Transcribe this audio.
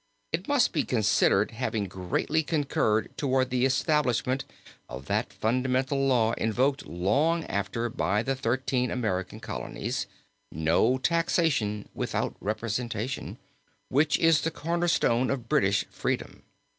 It must be considered as having greatly concurred towards the establishment of that fundamental law invoked long after by the thirteen American Colonies, 'No taxation without representation,' which is the corner stone of British freedom."